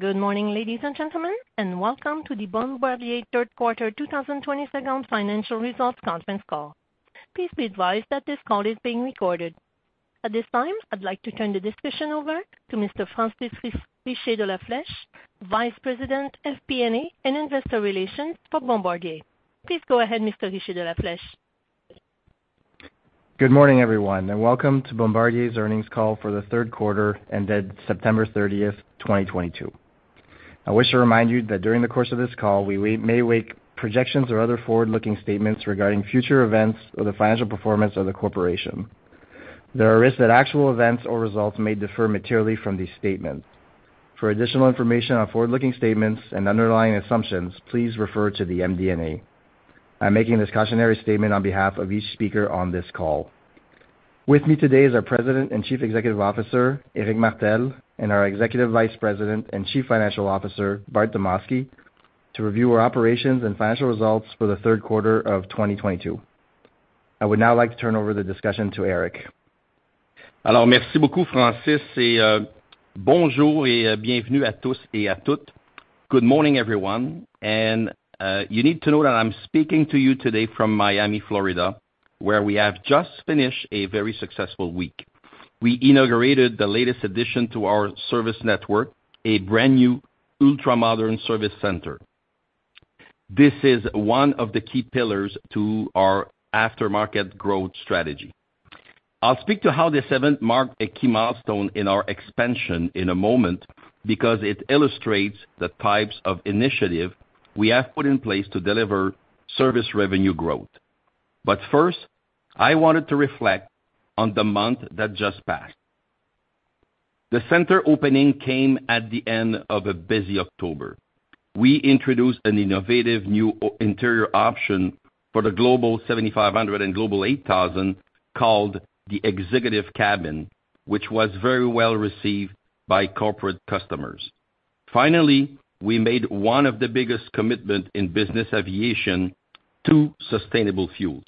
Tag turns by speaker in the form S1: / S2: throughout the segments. S1: Good morning, ladies and gentlemen, and welcome to the Bombardier third quarter 2022 financial results conference call. Please be advised that this call is being recorded. At this time, I'd like to turn the discussion over to Mr. Francis Richer de La Fleche, Vice President of FP&A and Investor Relations for Bombardier. Please go ahead, Mr. Richer de La Fleche.
S2: Good morning, everyone, and welcome to Bombardier's earnings call for the third quarter ended September 30, 2022. I wish to remind you that during the course of this call, we may make projections or other forward-looking statements regarding future events or the financial performance of the corporation. There are risks that actual events or results may differ materially from these statements. For additional information on forward-looking statements and underlying assumptions, please refer to the MD&A. I'm making this cautionary statement on behalf of each speaker on this call. With me today is our President and Chief Executive Officer, Éric Martel, and our Executive Vice President and Chief Financial Officer, Bart Demosky, to review our operations and financial results for the third quarter of 2022. I would now like to turn over the discussion to Éric.
S3: Alors, merci beaucoup, Francis, et, bonjour et bienvenue à tous et à toutes. Good morning, everyone. You need to know that I'm speaking to you today from Miami, Florida, where we have just finished a very successful week. We inaugurated the latest addition to our service network, a brand-new ultra-modern service center. This is one of the key pillars to our aftermarket growth strategy. I'll speak to how this event marked a key milestone in our expansion in a moment because it illustrates the types of initiative we have put in place to deliver service revenue growth. First, I wanted to reflect on the month that just passed. The center opening came at the end of a busy October. We introduced an innovative new interior option for the Global 7500 and Global 8000 called the Executive Cabin, which was very well received by corporate customers. Finally, we made one of the biggest commitment in business aviation to sustainable fuels.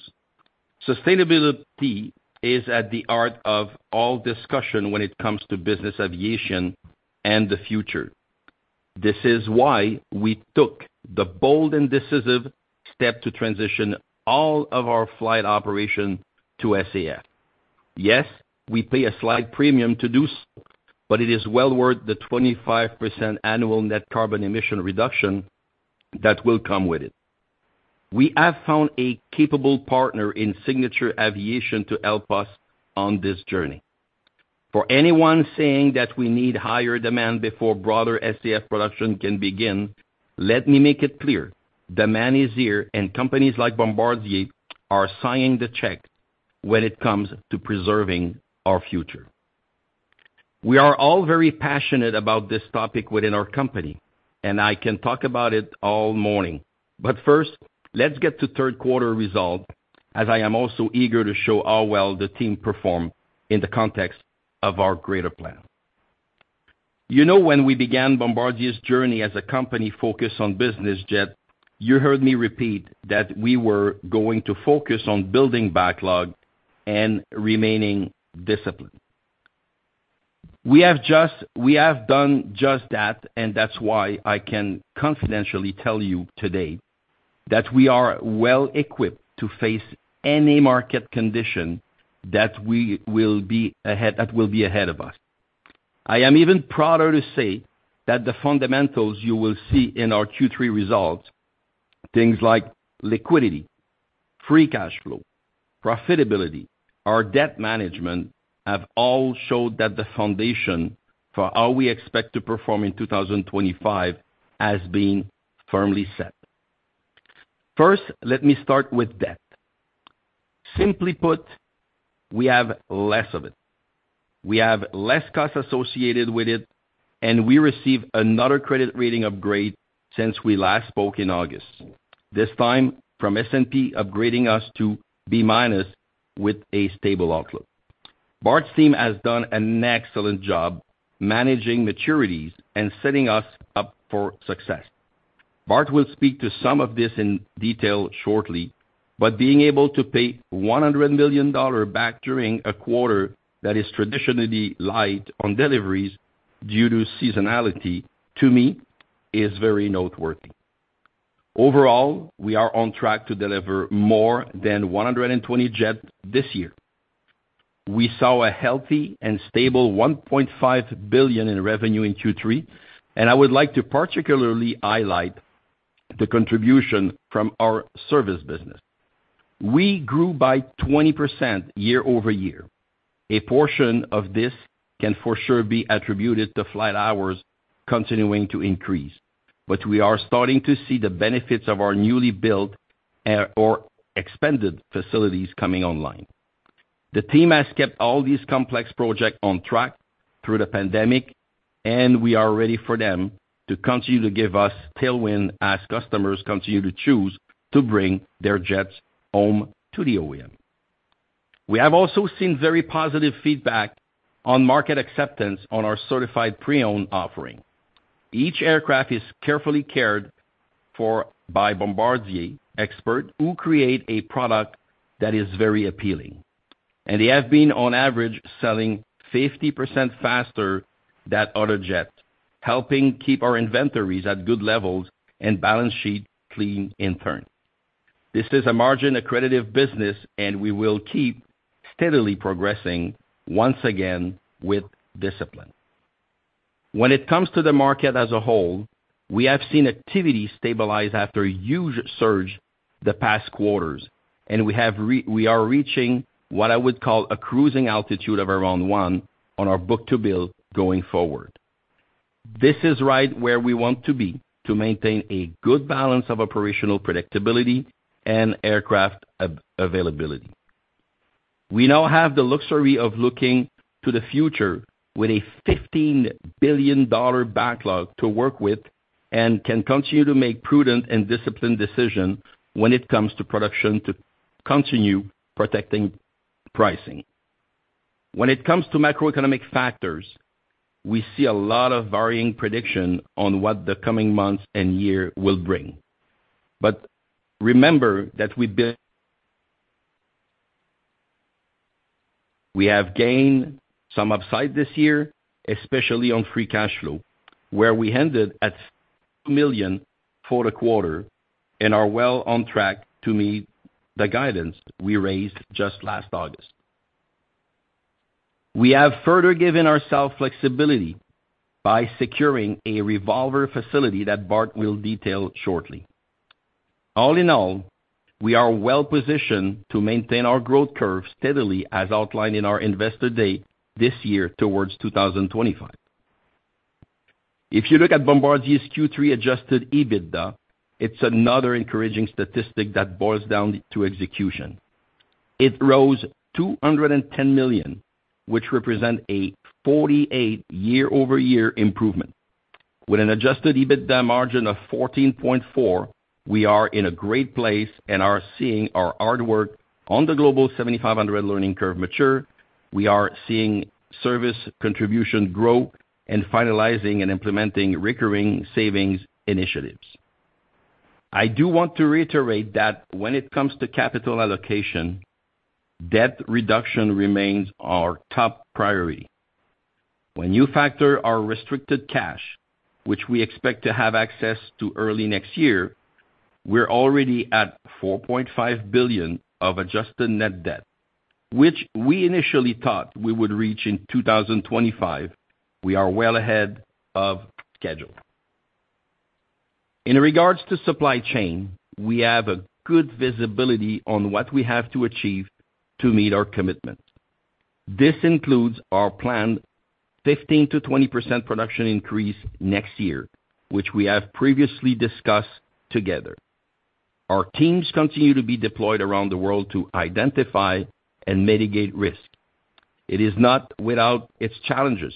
S3: Sustainability is at the heart of all discussion when it comes to business aviation and the future. This is why we took the bold and decisive step to transition all of our flight operation to SAF. Yes, we pay a slight premium to do so, but it is well worth the 25% annual net carbon emission reduction that will come with it. We have found a capable partner in Signature Aviation to help us on this journey. For anyone saying that we need higher demand before broader SAF production can begin, let me make it clear, demand is here and companies like Bombardier are signing the check when it comes to preserving our future. We are all very passionate about this topic within our company, and I can talk about it all morning. First, let's get to third quarter result, as I am also eager to show how well the team performed in the context of our greater plan. You know, when we began Bombardier's journey as a company focused on business jet, you heard me repeat that we were going to focus on building backlog and remaining disciplined. We have done just that, and that's why I can confidently tell you today that we are well equipped to face any market condition that will be ahead of us. I am even prouder to say that the fundamentals you will see in our Q3 results, things like liquidity, free cash flow, profitability, our debt management, have all showed that the foundation for how we expect to perform in 2025 as being firmly set. First, let me start with debt. Simply put, we have less of it. We have less costs associated with it, and we received another credit rating upgrade since we last spoke in August, this time from S&P upgrading us to B- with a stable outlook. Bart's team has done an excellent job managing maturities and setting us up for success. Bart will speak to some of this in detail shortly, but being able to pay 100 million dollars back during a quarter that is traditionally light on deliveries due to seasonality, to me is very noteworthy. Overall, we are on track to deliver more than 120 jets this year. We saw a healthy and stable 1.5 billion in revenue in Q3, and I would like to particularly highlight the contribution from our service business. We grew by 20% year-over-year. A portion of this can for sure be attributed to flight hours continuing to increase, but we are starting to see the benefits of our newly built or expanded facilities coming online. The team has kept all these complex projects on track through the pandemic, and we are ready for them to continue to give us tailwind as customers continue to choose to bring their jets home to the OEM. We have also seen very positive feedback on market acceptance on our certified pre-owned offering. Each aircraft is carefully cared for by Bombardier expert who create a product that is very appealing. They have been on average selling 50% faster than other jets, helping keep our inventories at good levels and balance sheet clean in turn. This is a margin-accretive business and we will keep steadily progressing once again with discipline. When it comes to the market as a whole, we have seen activity stabilize after a huge surge the past quarters, and we are reaching what I would call a cruising altitude of around one on our book-to-bill going forward. This is right where we want to be to maintain a good balance of operational predictability and aircraft availability. We now have the luxury of looking to the future with a $15 billion backlog to work with and can continue to make prudent and disciplined decisions when it comes to production to continue protecting pricing. When it comes to macroeconomic factors, we see a lot of varying predictions on what the coming months and year will bring. Remember that we built. We have gained some upside this year, especially on free cash flow, where we ended at million for the quarter and are well on track to meet the guidance we raised just last August. We have further given ourselves flexibility by securing a revolver facility that Bart will detail shortly. All in all, we are well-positioned to maintain our growth curve steadily as outlined in our investor day this year towards 2025. If you look at Bombardier's Q3 adjusted EBITDA, it's another encouraging statistic that boils down to execution. It rose $210 million, which represent a 48% year-over-year improvement. With an adjusted EBITDA margin of 14.4%, we are in a great place and are seeing our hard work on the Global 7500 learning curve mature. We are seeing service contribution grow and finalizing and implementing recurring savings initiatives. I do want to reiterate that when it comes to capital allocation, debt reduction remains our top priority. When you factor our restricted cash, which we expect to have access to early next year, we're already at $4.5 billion of adjusted net debt, which we initially thought we would reach in 2025. We are well ahead of schedule. In regards to supply chain, we have a good visibility on what we have to achieve to meet our commitment. This includes our planned 15%-20% production increase next year, which we have previously discussed together. Our teams continue to be deployed around the world to identify and mitigate risk. It is not without its challenges,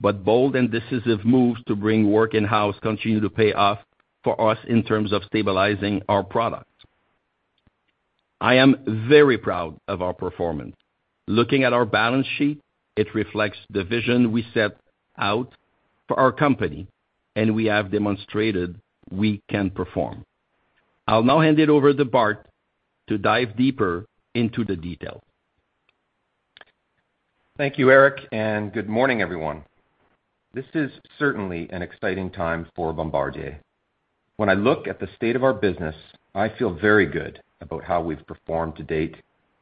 S3: but bold and decisive moves to bring work in-house continue to pay off for us in terms of stabilizing our product. I am very proud of our performance. Looking at our balance sheet, it reflects the vision we set out for our company, and we have demonstrated we can perform. I'll now hand it over to Bart to dive deeper into the detail.
S4: Thank you, Éric, and good morning, everyone. This is certainly an exciting time for Bombardier. When I look at the state of our business, I feel very good about how we've performed to date,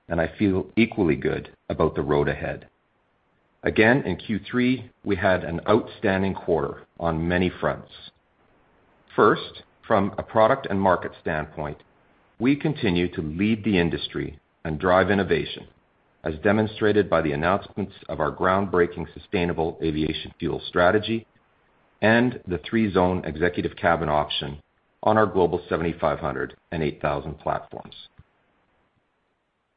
S4: and I feel equally good about the road ahead. Again, in Q3, we had an outstanding quarter on many fronts. First, from a product and market standpoint, we continue to lead the industry and drive innovation, as demonstrated by the announcements of our groundbreaking sustainable aviation fuel strategy and the three-zone executive cabin option on our Global 7500 and 8000 platforms.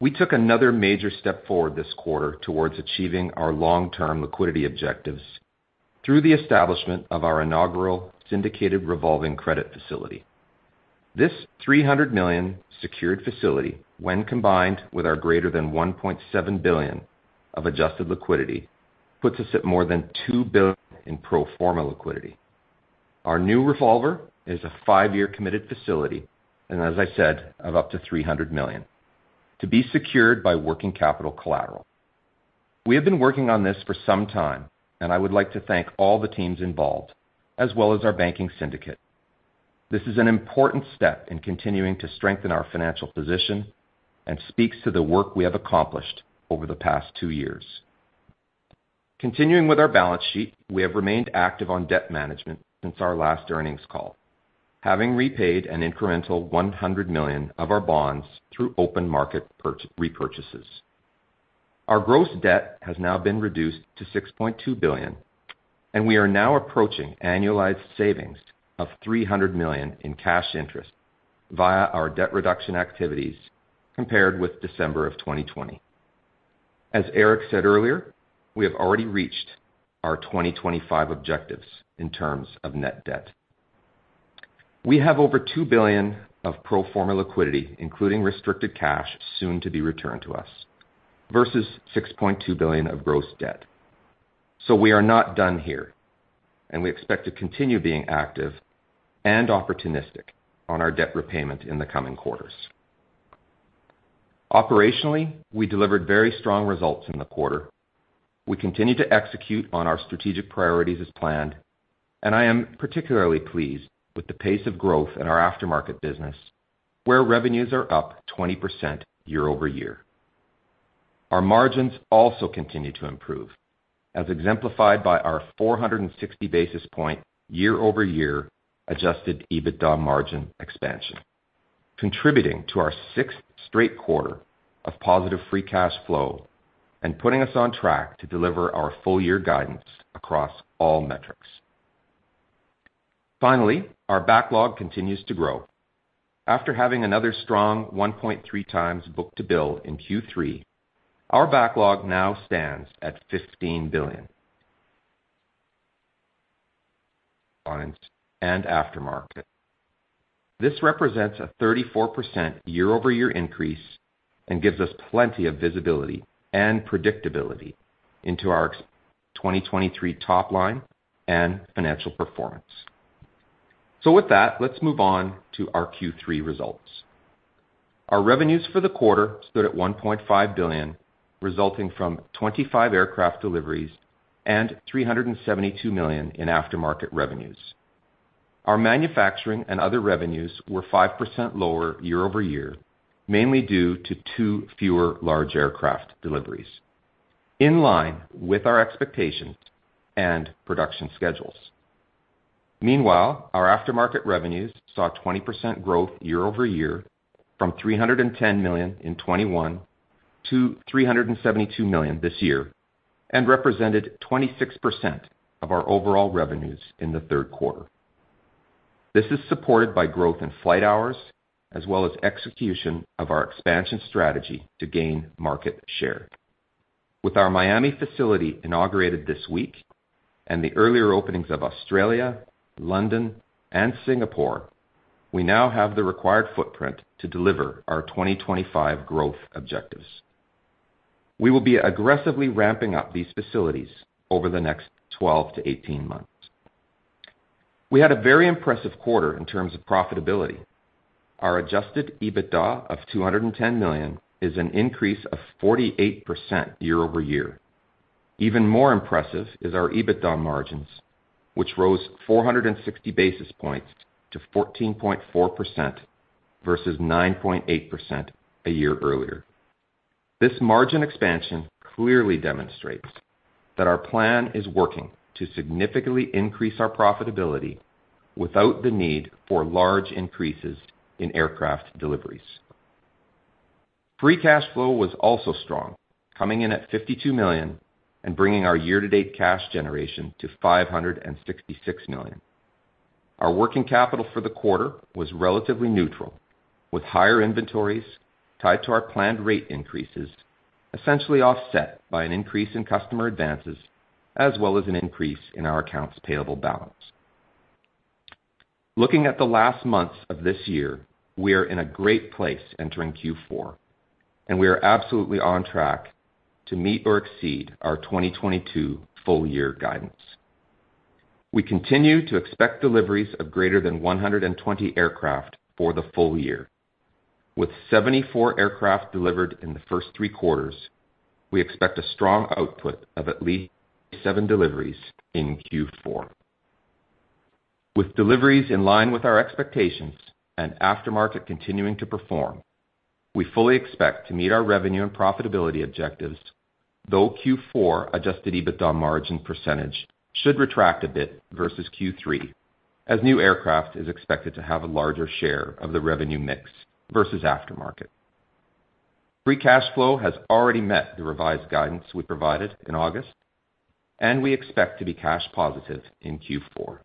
S4: We took another major step forward this quarter towards achieving our long-term liquidity objectives through the establishment of our inaugural syndicated revolving credit facility. This $300 million secured facility, when combined with our greater than $1.7 billion of adjusted liquidity, puts us at more than $2 billion in pro forma liquidity. Our new revolver is a five-year committed facility, and as I said, of up to $300 million, to be secured by working capital collateral. We have been working on this for some time, and I would like to thank all the teams involved as well as our banking syndicate. This is an important step in continuing to strengthen our financial position and speaks to the work we have accomplished over the past two years. Continuing with our balance sheet, we have remained active on debt management since our last earnings call, having repaid an incremental $100 million of our bonds through open market repurchases. Our gross debt has now been reduced to $6.2 billion, and we are now approaching annualized savings of $300 million in cash interest via our debt reduction activities compared with December of 2020. As Éric said earlier, we have already reached our 2025 objectives in terms of net debt. We have over $2 billion of pro forma liquidity, including restricted cash soon to be returned to us, versus $6.2 billion of gross debt. We are not done here, and we expect to continue being active and opportunistic on our debt repayment in the coming quarters. Operationally, we delivered very strong results in the quarter. We continue to execute on our strategic priorities as planned, and I am particularly pleased with the pace of growth in our aftermarket business, where revenues are up 20% year-over-year. Our margins also continue to improve, as exemplified by our 460 basis point year-over-year adjusted EBITDA margin expansion, contributing to our sixth straight quarter of positive free cash flow and putting us on track to deliver our full-year guidance across all metrics. Finally, our backlog continues to grow. After having another strong 1.3x book-to-bill in Q3, our backlog now stands at $15 billion, clients and aftermarket. This represents a 34% year-over-year increase and gives us plenty of visibility and predictability into our 2023 top line and financial performance. With that, let's move on to our Q3 results. Our revenues for the quarter stood at $1.5 billion, resulting from 25 aircraft deliveries and $372 million in aftermarket revenues. Our manufacturing and other revenues were 5% lower year-over-year, mainly due to two fewer large aircraft deliveries, in line with our expectations and production schedules. Meanwhile, our aftermarket revenues saw 20% growth year-over-year from $310 million in 2021 to $372 million this year, and represented 26% of our overall revenues in the third quarter. This is supported by growth in flight hours as well as execution of our expansion strategy to gain market share. With our Miami facility inaugurated this week and the earlier openings of Australia, London and Singapore, we now have the required footprint to deliver our 2025 growth objectives. We will be aggressively ramping up these facilities over the next 12-18 months. We had a very impressive quarter in terms of profitability. Our adjusted EBITDA of $210 million is an increase of 48% year-over-year. Even more impressive is our EBITDA margins, which rose 460 basis points to 14.4% versus 9.8% a year earlier. This margin expansion clearly demonstrates that our plan is working to significantly increase our profitability without the need for large increases in aircraft deliveries. Free cash flow was also strong, coming in at $52 million and bringing our year-to-date cash generation to $566 million. Our working capital for the quarter was relatively neutral with higher inventories tied to our planned rate increases, essentially offset by an increase in customer advances, as well as an increase in our accounts payable balance. Looking at the last months of this year, we are in a great place entering Q4, and we are absolutely on track to meet or exceed our 2022 full year guidance. We continue to expect deliveries of greater than 120 aircraft for the full year. With 74 aircraft delivered in the first three quarters, we expect a strong output of at least seven deliveries in Q4. With deliveries in line with our expectations and aftermarket continuing to perform, we fully expect to meet our revenue and profitability objectives, though Q4 adjusted EBITDA margin percentage should retract a bit versus Q3 as new aircraft is expected to have a larger share of the revenue mix versus aftermarket. Free cash flow has already met the revised guidance we provided in August, and we expect to be cash positive in Q4.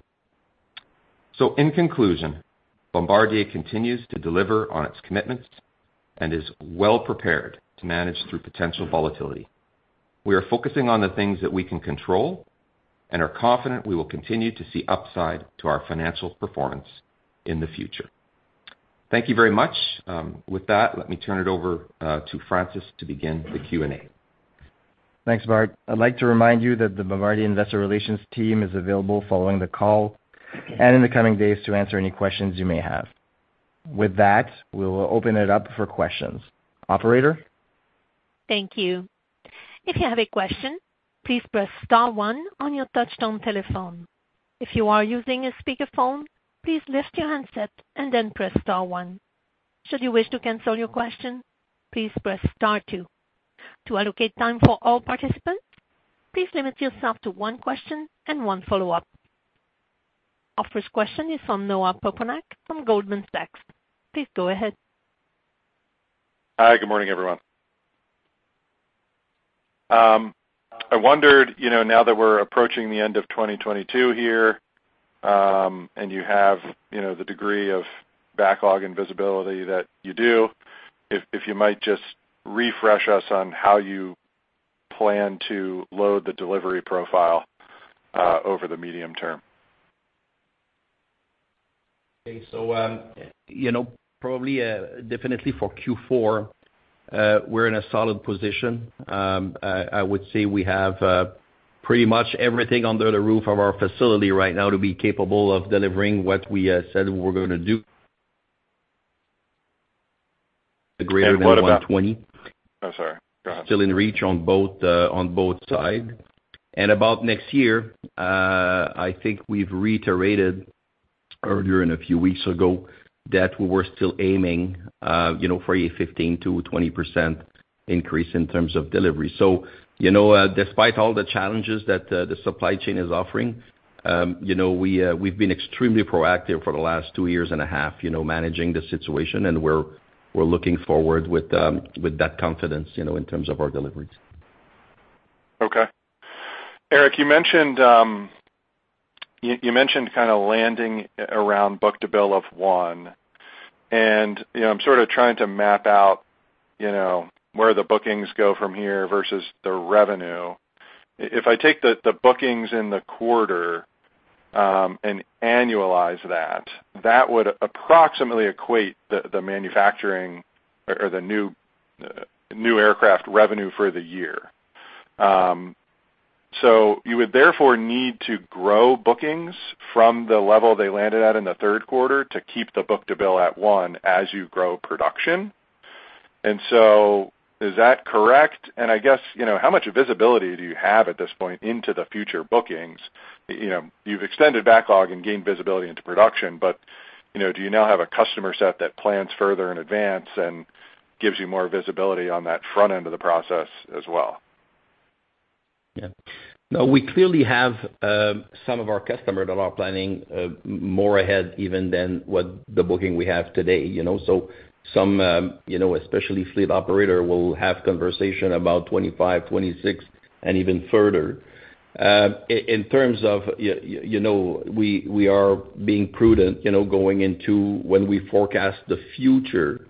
S4: In conclusion, Bombardier continues to deliver on its commitments and is well prepared to manage through potential volatility. We are focusing on the things that we can control and are confident we will continue to see upside to our financial performance in the future. Thank you very much. With that, let me turn it over to Francis to begin the Q and A.
S2: Thanks, Bart. I'd like to remind you that the Bombardier investor relations team is available following the call and in the coming days to answer any questions you may have. With that, we will open it up for questions. Operator?
S1: Thank you. If you have a question, please press star one on your touchtone telephone. If you are using a speakerphone, please lift your handset and then press star one. Should you wish to cancel your question, please press star two. To allocate time for all participants, please limit yourself to one question and one follow-up. Our first question is from Noah Poponak from Goldman Sachs. Please go ahead.
S5: Hi. Good morning, everyone. I wondered, you know, now that we're approaching the end of 2022 here, and you have, you know, the degree of backlog and visibility that you do, if you might just refresh us on how you plan to load the delivery profile over the medium term?
S3: Okay. You know, probably definitely for Q4, we're in a solid position. I would say we have pretty much everything under the roof of our facility right now to be capable of delivering what we said we were gonna do. Greater than 120-
S5: I'm sorry. Go ahead.
S3: Still in reach on both, on both sides. About next year, I think we've reiterated earlier and a few weeks ago that we were still aiming, you know, for a 15%-20% increase in terms of delivery. Despite all the challenges that the supply chain is offering, you know, we've been extremely proactive for the last two years and a half, you know, managing the situation, and we're looking forward with that confidence, you know, in terms of our deliveries.
S5: Okay. Éric, you mentioned kinda landing around book-to-bill of one. You know, I'm sort of trying to map out, you know, where the bookings go from here versus the revenue. If I take the bookings in the quarter and annualize that would approximately equate the manufacturing or the new aircraft revenue for the year. You would therefore need to grow bookings from the level they landed at in the third quarter to keep the book-to-bill at one as you grow production. Is that correct? I guess, you know, how much visibility do you have at this point into the future bookings? You know, you've extended backlog and gained visibility into production, but, you know, do you now have a customer set that plans further in advance and gives you more visibility on that front end of the process as well?
S3: Yeah. No, we clearly have some of our customers that are planning more ahead even than what the booking we have today, you know? Some, you know, especially fleet operator, will have conversation about 25, 26, and even further. In terms of, you know, we are being prudent, you know, going into when we forecast the future,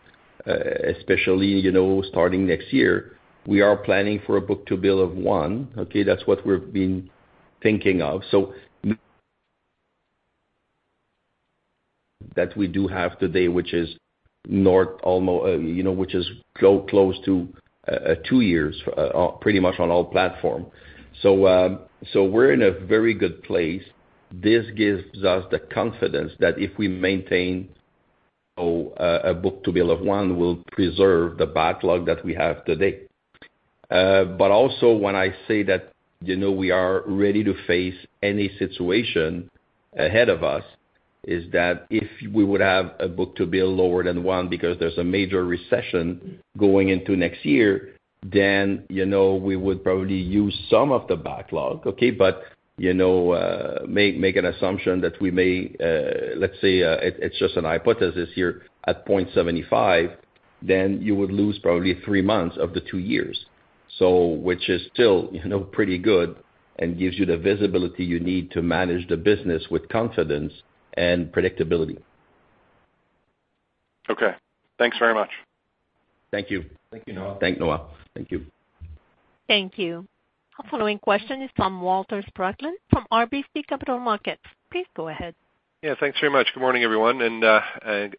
S3: especially, you know, starting next year. We are planning for a book-to-bill of one, okay? That's what we've been thinking of. We do have today, which is, you know, close to two years, pretty much on all platform. We're in a very good place. This gives us the confidence that if we maintain a book-to-bill of one, we'll preserve the backlog that we have today. also when I say that, you know, we are ready to face any situation ahead of us, is that if we would have a book-to-bill lower than one because there's a major recession going into next year, then, you know, we would probably use some of the backlog. Okay? you know, make an assumption that we may, let's say, it's just an hypothesis here at 0.75, then you would lose probably three months of the two years so which is still, you know, pretty good and gives you the visibility you need to manage the business with confidence and predictability.
S5: Okay. Thanks very much.
S3: Thank you.
S2: Thank you, Noah.
S3: Thanks, Noah. Thank you.
S1: Thank you. Our following question is from Walter Spracklin from RBC Capital Markets. Please go ahead.
S6: Yeah. Thanks very much. Good morning, everyone, and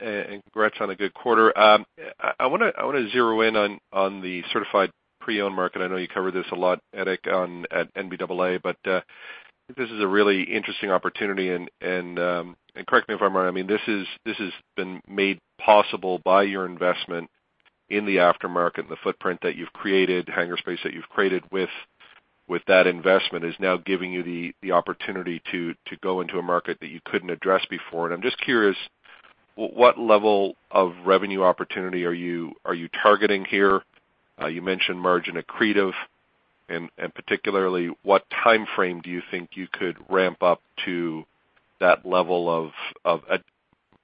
S6: congrats on a good quarter. I wanna zero in on the certified pre-owned market. I know you covered this a lot, Éric, on at NBAA, but this is a really interesting opportunity and correct me if I'm wrong. I mean, this has been made possible by your investment in the aftermarket and the footprint that you've created, hangar space that you've created with that investment is now giving you the opportunity to go into a market that you couldn't address before. I'm just curious, what level of revenue opportunity are you targeting here? You mentioned margin accretive and particularly, what timeframe do you think you could ramp up to that level of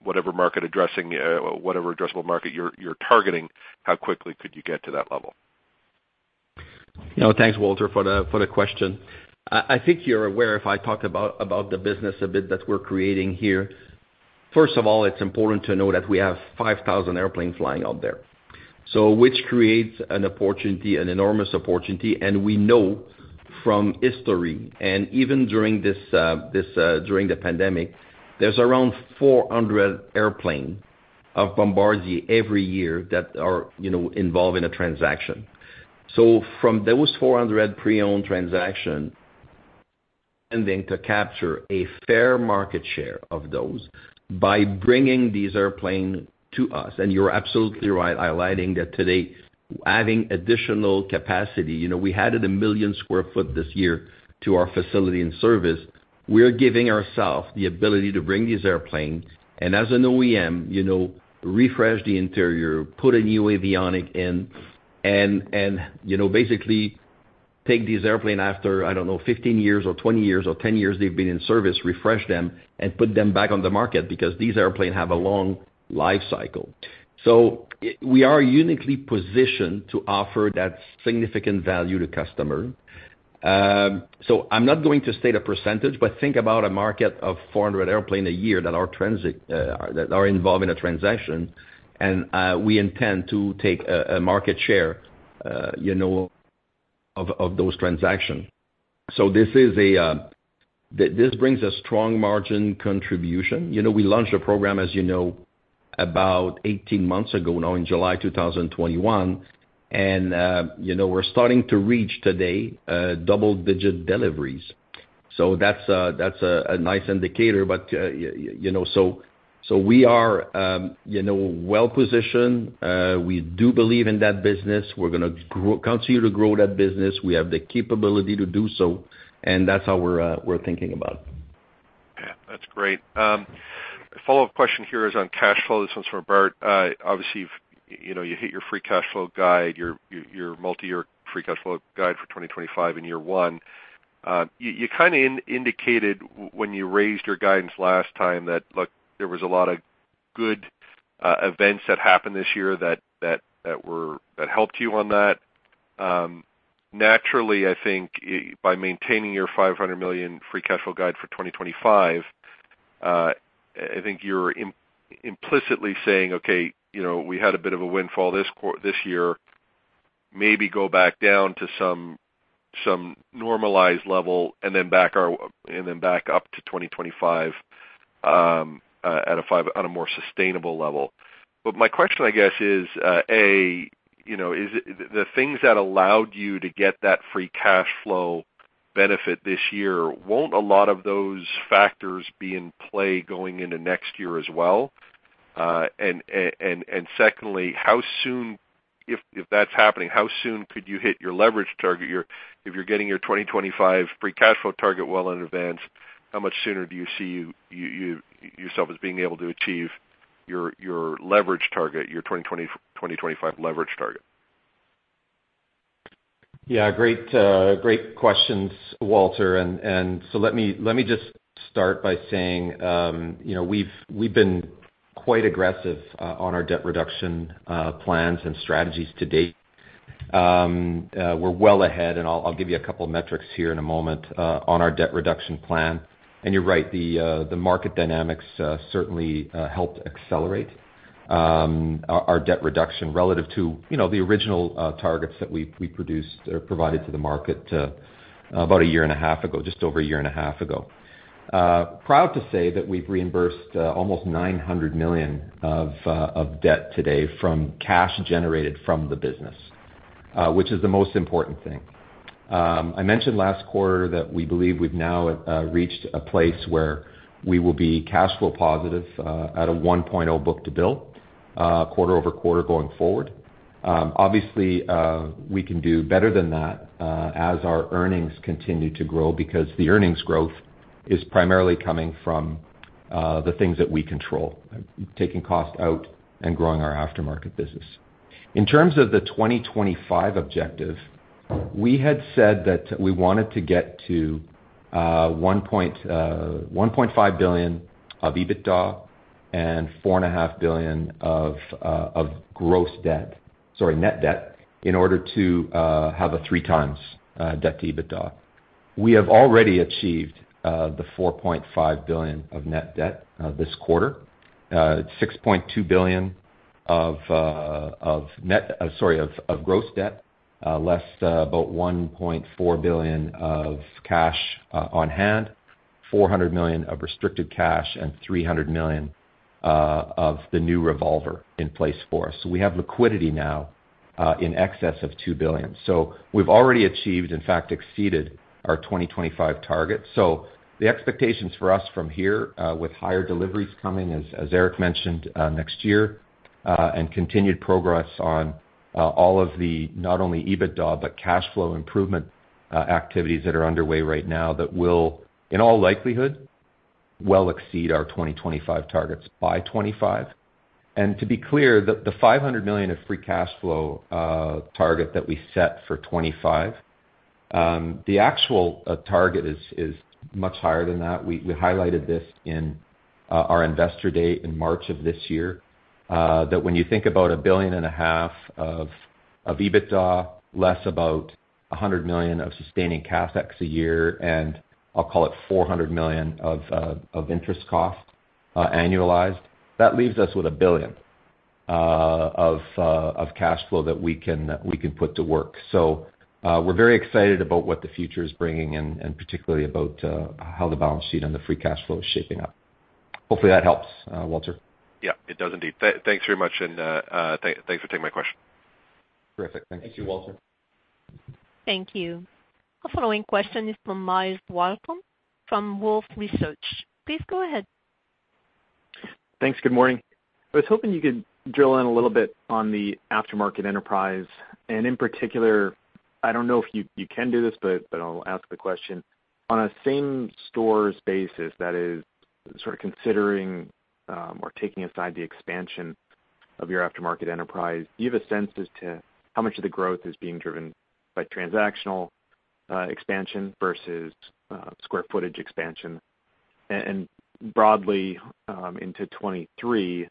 S6: whatever market addressing, whatever addressable market you're targeting, how quickly could you get to that level?
S3: You know, thanks, Walter, for the question. I think you're aware if I talk about the business a bit that we're creating here. First of all, it's important to know that we have 5,000 airplanes flying out there. Which creates an opportunity, an enormous opportunity, and we know from history, and even during this pandemic, there's around 400 airplanes of Bombardier every year that are, you know, involved in a transaction. From those 400 pre-owned transactions and then to capture a fair market share of those by bringing these airplanes to us, and you're absolutely right highlighting that today, adding additional capacity. You know, we added 1 million sq ft this year to our facility and service. We're giving ourselves the ability to bring these airplanes, and as an OEM, you know, refresh the interior, put a new avionics in and, you know, basically take these airplanes after, I don't know, 15 years or 20 years or 10 years they've been in service, refresh them, and put them back on the market because these airplanes have a long life cycle. We are uniquely positioned to offer that significant value to customer. I'm not going to state a percentage, but think about a market of 400 airplanes a year that are involved in a transaction, and we intend to take a market share, you know. Of those transactions. This brings a strong margin contribution. You know, we launched a program, as you know, about 18 months ago now in July 2021, and you know, we're starting to reach today double-digit deliveries. That's a nice indicator. We are well-positioned. We do believe in that business. We're gonna continue to grow that business. We have the capability to do so, and that's how we're thinking about it.
S6: Yeah, that's great. A follow-up question here is on cash flow. This one's from Bart. Obviously, you know, you hit your free cash flow guide, your multi-year free cash flow guide for 2025 in year one. You kinda indicated when you raised your guidance last time that, look, there was a lot of good events that happened this year that helped you on that. Naturally, I think by maintaining your $500 million free cash flow guide for 2025, I think you're implicitly saying, "Okay, you know, we had a bit of a windfall this year. Maybe go back down to some normalized level and then back up to 2025 on a more sustainable level." My question, I guess is, A, you know, is it the things that allowed you to get that free cash flow benefit this year, won't a lot of those factors be in play going into next year as well? And secondly, how soon, if that's happening, how soon could you hit your leverage target? If you're getting your 2025 free cash flow target well in advance, how much sooner do you see yourself as being able to achieve your leverage target, your 2025 leverage target?
S4: Yeah, great questions, Walter. Let me just start by saying, you know, we've been quite aggressive on our debt reduction plans and strategies to date. We're well ahead, and I'll give you a couple of metrics here in a moment on our debt reduction plan. You're right, the market dynamics certainly helped accelerate our debt reduction relative to, you know, the original targets that we produced or provided to the market about a year and a half ago, just over a year and a half ago. Proud to say that we've reimbursed almost $900 million of debt today from cash generated from the business, which is the most important thing. I mentioned last quarter that we believe we've now reached a place where we will be cash flow positive at a 1.0 book to bill quarter-over-quarter going forward. Obviously, we can do better than that as our earnings continue to grow because the earnings growth is primarily coming from the things that we control, taking cost out and growing our aftermarket business. In terms of the 2025 objective, we had said that we wanted to get to $1.5 billion of EBITDA and $4.5 billion of net debt, sorry, in order to have a 3x debt to EBITDA. We have already achieved the $4.5 billion of net debt this quarter, $6.2 billion of gross debt less about $1.4 billion of cash on hand, $400 million of restricted cash, and $300 million of the new revolver in place for us. We have liquidity now in excess of $2 billion. We've already achieved, in fact exceeded our 2025 target. The expectations for us from here with higher deliveries coming, as Éric mentioned, next year, and continued progress on all of the not only EBITDA, but cash flow improvement activities that are underway right now that will, in all likelihood, well exceed our 2025 targets by 2025. To be clear, the $500 million of free cash flow target that we set for 2025, the actual target is much higher than that. We highlighted this in our investor day in March of this year, that when you think about $1.5 billion of EBITDA, less about $100 million of sustaining CapEx a year, and I'll call it $400 million of interest cost, annualized, that leaves us with $1 billion of cash flow that we can put to work. We're very excited about what the future is bringing and particularly about how the balance sheet and the free cash flow is shaping up. Hopefully, that helps, Walter.
S6: Yeah, it does indeed. Thanks very much. Thanks for taking my question.
S4: Terrific. Thank you.
S2: Thank you, Walter.
S1: Thank you. Our following question is from Myles Walton from Wolfe Research. Please go ahead.
S7: Thanks. Good morning. I was hoping you could drill in a little bit on the aftermarket enterprise. In particular, I don't know if you can do this, but I'll ask the question. On a same store's basis that is sort of considering or taking aside the expansion of your aftermarket enterprise, do you have a sense as to how much of the growth is being driven by transactional expansion versus square footage expansion? Broadly, into 2023,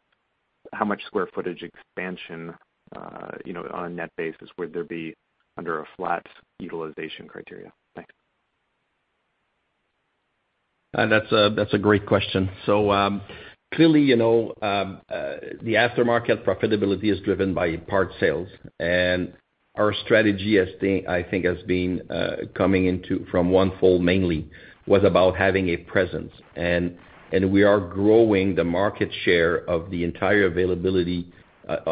S7: how much square footage expansion you know on a net basis would there be under a flat utilization criteria? Thanks.
S3: That's a great question. Clearly, you know, the aftermarket profitability is driven by parts sales and our strategy I think has been coming into from one fold mainly was about having a presence. We are growing the market share of the entire availability.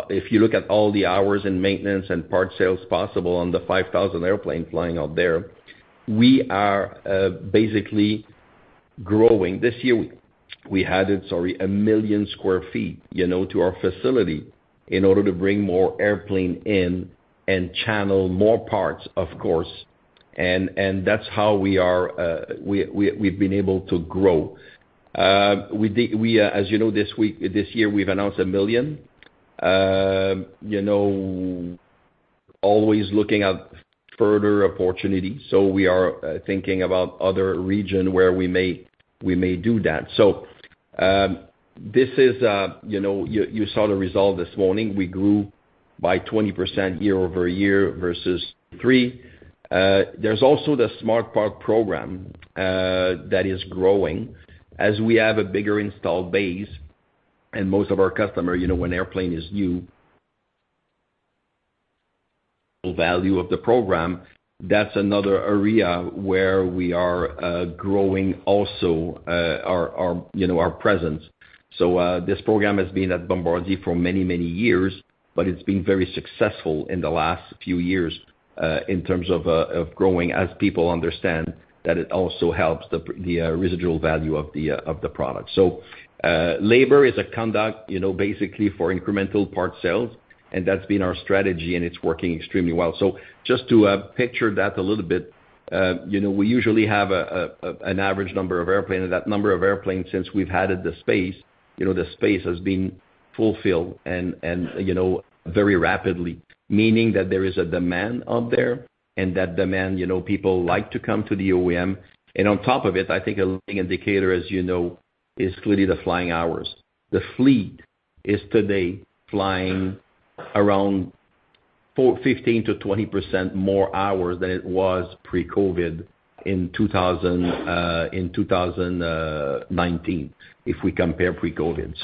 S3: If you look at all the hours in maintenance and parts sales possible on the 5,000 airplane flying out there, we are basically growing. This year, we added, sorry, 1 million sq ft, you know, to our facility in order to bring more airplane in and channel more parts, of course. That's how we are, we've been able to grow. We, as you know, this year, we've announced 1 million, you know, always looking at further opportunities. We are thinking about other region where we may do that. This is, you know, you saw the result this morning. We grew by 20% year-over-year versus 3%. There's also the Smart Parts program that is growing as we have a bigger installed base. Most of our customer, you know, when airplane is new value of the program, that's another area where we are growing also, our, you know, our presence. This program has been at Bombardier for many, many years, but it's been very successful in the last few years in terms of of growing as people understand that it also helps the residual value of the product. Labor is a constraint, you know, basically for incremental parts sales, and that's been our strategy, and it's working extremely well. Just to picture that a little bit, you know, we usually have an average number of airplanes, and that number of airplanes since we've added the capacity, you know, the capacity has been fulfilled and you know, very rapidly, meaning that there is a demand out there and that demand, you know, people like to come to the OEM. On top of it, I think a leading indicator, as you know, is clearly the flying hours. The fleet is today flying around 15%-20% more hours than it was pre-COVID in 2019 if we compare pre-COVID.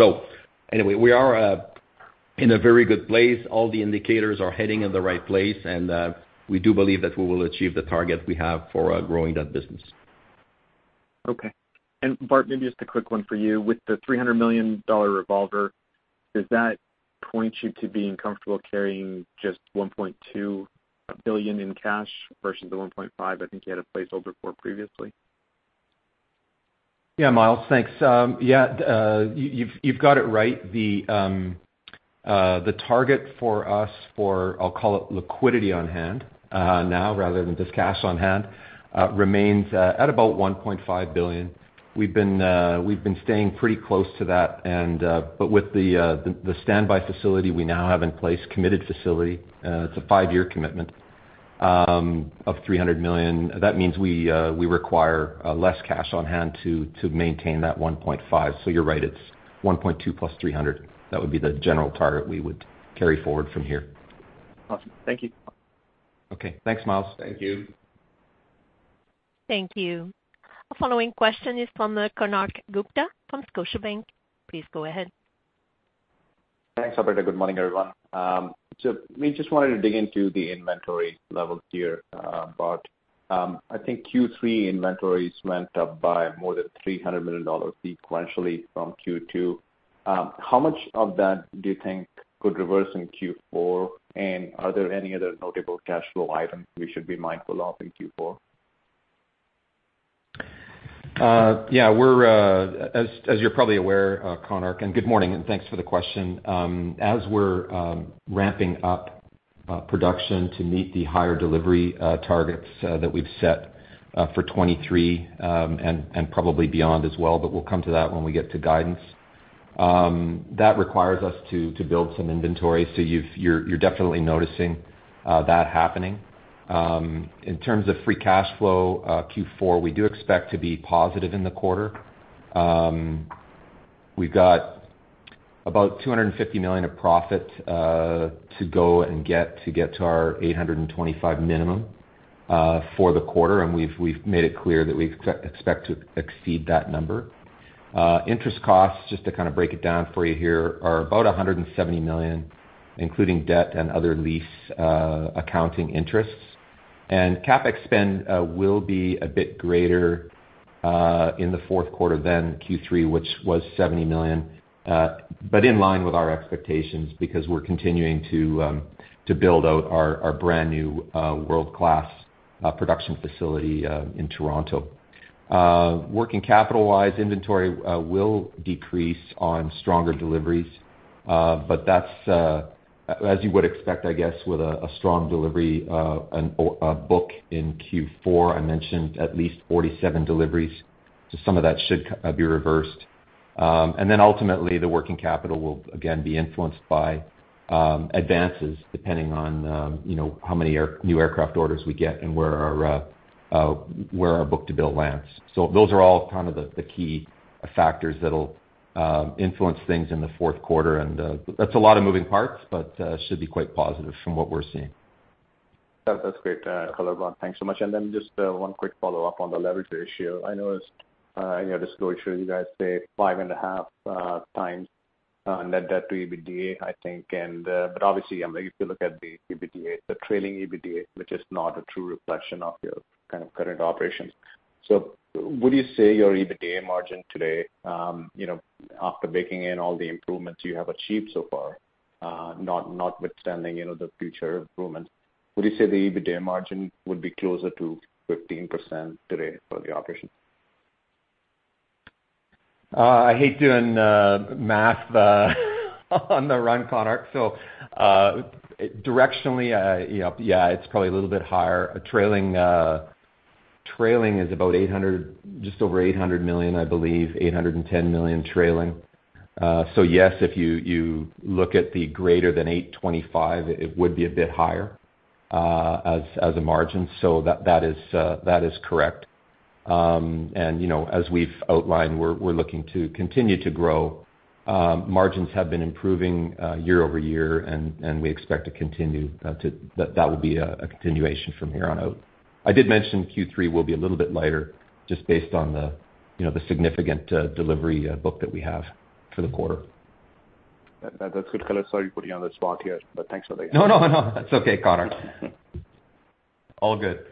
S3: Anyway, we are in a very good place. All the indicators are heading in the right place, and we do believe that we will achieve the target we have for growing that business.
S7: Okay. Bart, maybe just a quick one for you. With the $300 million revolver, does that point you to being comfortable carrying just $1.2 billion in cash versus the $1.5 billion I think you had a placeholder for previously?
S4: Yeah, Myles. Thanks. Yeah, you've got it right. The target for us for, I'll call it liquidity on hand, now rather than just cash on hand, remains at about $1.5 billion. We've been staying pretty close to that and but with the standby facility we now have in place, committed facility, it's a five-year commitment of $300 million. That means we require less cash on hand to maintain that $1.5 billion. So you're right, it's $1.2 billion+ $300 million. That would be the general target we would carry forward from here.
S7: Awesome. Thank you.
S4: Okay. Thanks, Myles.
S3: Thank you.
S1: Thank you. The following question is from Konark Gupta from Scotiabank. Please go ahead.
S8: Thanks, Éric and Bart. Good morning, everyone. We just wanted to dig into the inventory levels here. I think Q3 inventories went up by more than $300 million sequentially from Q2. How much of that do you think could reverse in Q4? Are there any other notable cash flow items we should be mindful of in Q4?
S4: Yeah. We're as you're probably aware, Konark, and good morning, and thanks for the question. As we're ramping up production to meet the higher delivery targets that we've set for 2023 and probably beyond as well, but we'll come to that when we get to guidance, that requires us to build some inventory. You're definitely noticing that happening. In terms of free cash flow, Q4, we do expect to be positive in the quarter. We've got about $250 million of profit to go and get to our $825 million minimum for the quarter, and we've made it clear that we expect to exceed that number. Interest costs, just to kind of break it down for you here, are about 170 million, including debt and other lease accounting interests. CapEx spend will be a bit greater in the fourth quarter than Q3, which was 70 million, but in line with our expectations because we're continuing to build out our brand-new world-class production facility in Toronto. Working capital-wise, inventory will decrease on stronger deliveries, but that's as you would expect, I guess, with a strong delivery and book in Q4. I mentioned at least 47 deliveries, so some of that should be reversed. Ultimately, the working capital will again be influenced by advances depending on you know how many new aircraft orders we get and where our book to bill lands. Those are all kind of the key factors that'll influence things in the fourth quarter. That's a lot of moving parts, but should be quite positive from what we're seeing.
S8: That's great color, Bart. Thanks so much. Then just one quick follow-up on the leverage ratio. I noticed you had a pro forma. You guys say 5.5x net debt to EBITDA, I think. But obviously, I mean, if you look at the EBITDA, the trailing EBITDA, which is not a true reflection of your kind of current operations. Would you say your EBITDA margin today, you know, after baking in all the improvements you have achieved so far, not withstanding, you know, the future improvements, would you say the EBITDA margin would be closer to 15% today for the operation?
S4: I hate doing math on the run, Konark. Directionally, yep, yeah, it's probably a little bit higher. A trailing is about $800 million, just over $800 million, I believe, $810 million trailing. Yes, if you look at the greater than $825 million, it would be a bit higher as a margin. That is correct. You know, as we've outlined, we're looking to continue to grow. Margins have been improving year-over-year, and we expect to continue to that would be a continuation from here on out. I did mention Q3 will be a little bit lighter just based on you know, the significant delivery book that we have for the quarter.
S8: That's good color. Sorry to put you on the spot here, but thanks for the.
S4: No, no. That's okay, Konark. All good.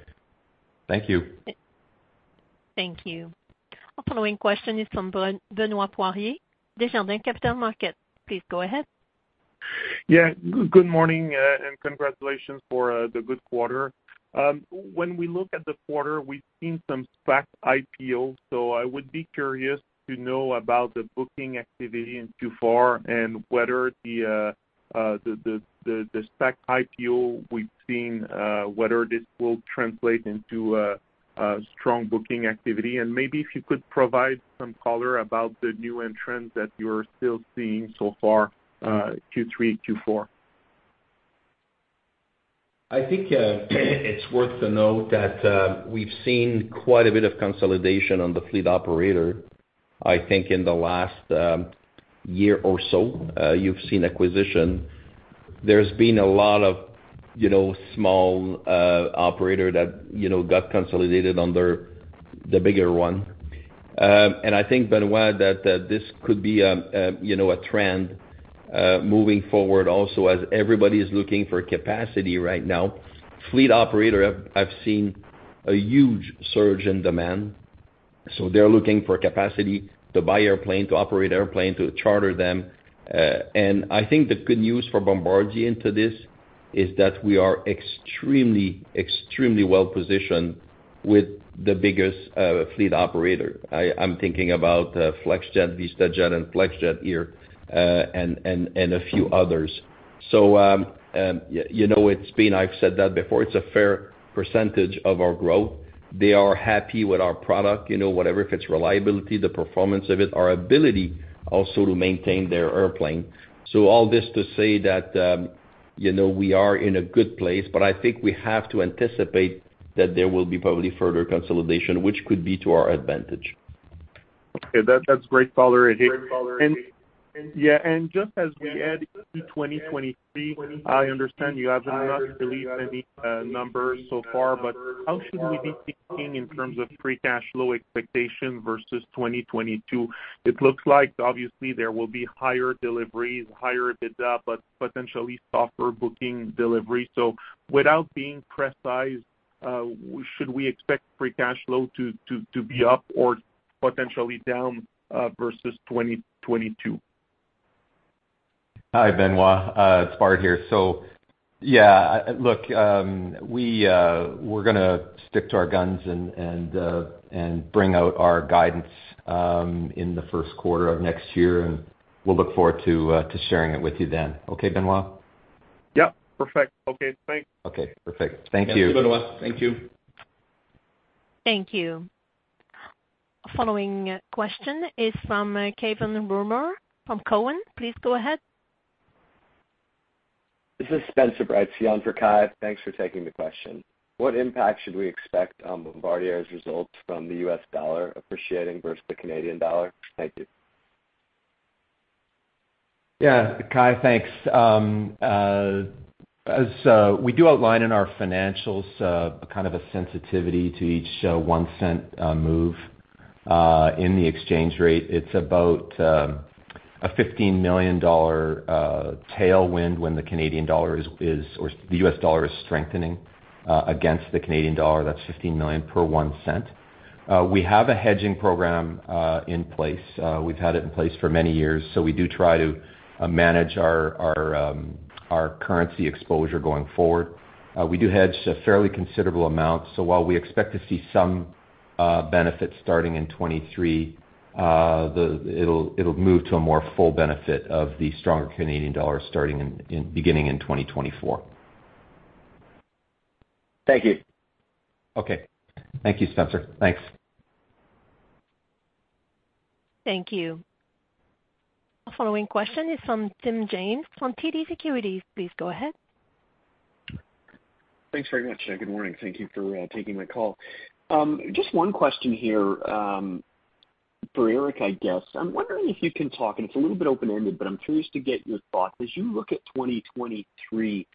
S4: Thank you.
S1: Thank you. Our following question is from Benoit Poirier, Desjardins Capital Markets. Please go ahead.
S9: Yeah, good morning, and congratulations for the good quarter. When we look at the quarter, we've seen some SPAC IPOs, so I would be curious to know about the booking activity in Q4 and whether the SPAC IPO we've seen will translate into a strong booking activity. Maybe if you could provide some color about the new entrants that you're still seeing so far, Q3, Q4.
S3: I think it's worth noting that we've seen quite a bit of consolidation among fleet operators. I think in the last year or so you've seen acquisitions. There's been a lot of, you know, small operators that, you know, got consolidated under the bigger one. I think, Benoit, that this could be, you know, a trend moving forward also as everybody is looking for capacity right now. Fleet operators, I've seen a huge surge in demand, so they're looking for capacity to buy airplanes, to operate airplanes, to charter them. I think the good news for Bombardier in this is that we are extremely well positioned with the biggest fleet operators. I'm thinking about Flexjet, VistaJet, and NetJets, and a few others. You know, it's been, I've said that before, it's a fair percentage of our growth. They are happy with our product, you know, whatever, if it's reliability, the performance of it, our ability also to maintain their airplane. All this to say that, you know, we are in a good place, but I think we have to anticipate that there will be probably further consolidation, which could be to our advantage.
S9: Okay. That's great color. Yeah, just as we head into 2023, I understand you have not released any numbers so far, but how should we be thinking in terms of free cash flow expectation versus 2022? It looks like obviously there will be higher deliveries, higher EBITDA, but potentially softer book-to-bill. Without being precise, should we expect free cash flow to be up or potentially down versus 2022?
S4: Hi, Benoit. It's Bart here. Yeah, look, we’re gonna stick to our guns and bring out our guidance in the first quarter of next year, and we'll look forward to sharing it with you then. Okay, Benoit?
S9: Yep. Perfect. Okay, thanks.
S4: Okay, perfect. Thank you.
S3: Thanks, Benoit. Thank you.
S1: Thank you. Following question is from Cai von Rumohr from Cowen. Please go ahead.
S10: This is Spencer Breitzke, on for Cai von Rumohr. Thanks for taking the question. What impact should we expect on Bombardier's results from the U.S. dollar appreciating versus the Canadian dollar? Thank you.
S4: Yeah. Cai, thanks. As we do outline in our financials, kind of a sensitivity to each $0.01 move in the exchange rate. It's about a $15 million tailwind when the Canadian dollar is or the U.S. dollar is strengthening against the Canadian dollar. That's $15 million per $0.01. We have a hedging program in place. We've had it in place for many years, so we do try to manage our currency exposure going forward. We do hedge a fairly considerable amount, so while we expect to see some benefit starting in 2023, it'll move to a more full benefit of the stronger Canadian dollar starting in beginning in 2024.
S10: Thank you.
S4: Okay. Thank you, Spencer. Thanks.
S1: Thank you. Following question is from Tim James from TD Securities. Please go ahead.
S11: Thanks very much. Good morning. Thank you for taking my call. Just one question here. For Éric, I guess. I'm wondering if you can talk, and it's a little bit open-ended, but I'm curious to get your thoughts. As you look at 2023,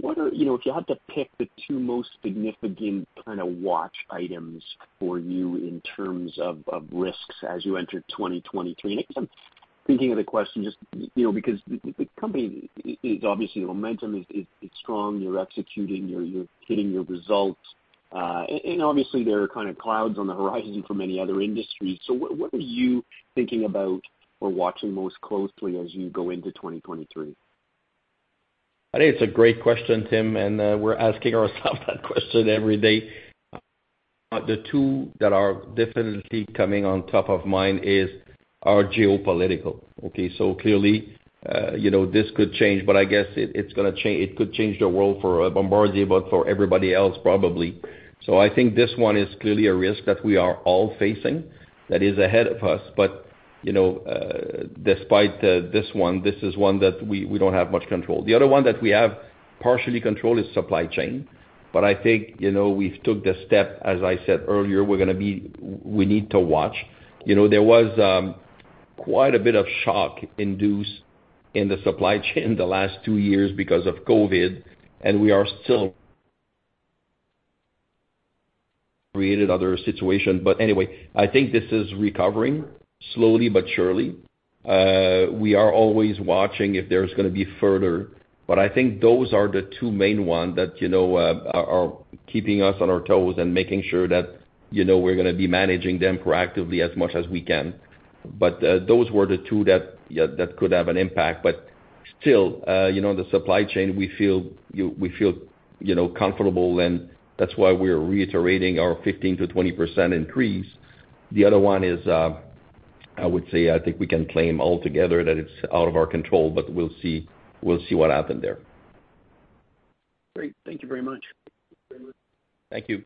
S11: what are, if you had to pick the two most significant kinda watch items for you in terms of of risks as you enter 2023? I guess I'm thinking of the question just, because the company is obviously the momentum is strong. You're executing. You're hitting your results. And obviously there are kinda clouds on the horizon for many other industries. What are you thinking about or watching most closely as you go into 2023?
S3: I think it's a great question, Tim, and we're asking ourself that question every day. The two that are definitely coming on top of mind are geopolitical. Okay. Clearly, you know, this could change, but I guess it could change the world for Bombardier, but for everybody else, probably. I think this one is clearly a risk that we are all facing that is ahead of us. You know, despite this one, this is one that we don't have much control. The other one that we have partially control is supply chain. I think, you know, we've took the step, as I said earlier, we need to watch. You know, there was quite a bit of shock induced in the supply chain the last two years because of COVID, and we are still created other situation. Anyway, I think this is recovering slowly but surely. We are always watching if there's gonna be further, but I think those are the two main one that, you know, are keeping us on our toes and making sure that, you know, we're gonna be managing them proactively as much as we can. Those were the two that, yeah, that could have an impact. Still, you know, the supply chain, we feel comfortable, and that's why we are reiterating our 15%-20% increase. The other one is, I would say, I think we can claim altogether that it's out of our control, but we'll see what happened there.
S11: Great. Thank you very much.
S3: Thank you.